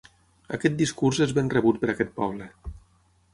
Aquest discurs és ben rebut per aquest poble.